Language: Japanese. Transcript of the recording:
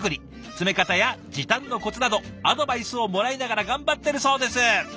詰め方や時短のコツなどアドバイスをもらいながら頑張ってるそうです。